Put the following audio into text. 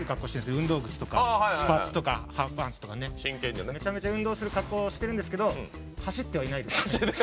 スニーカーとかスパッツとか、ハーフパンツとかめちゃめちゃ運動する格好してるんですけど走ってはいないです。